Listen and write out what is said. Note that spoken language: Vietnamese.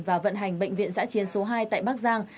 và vận hành bệnh viện giã chiến số hai tại bắc giang